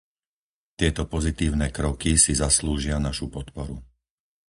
Tieto pozitívne kroky si zaslúžia našu podporu.